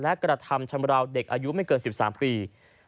และกระทำชำราวเด็กอายุไม่เกิน๑๓ปี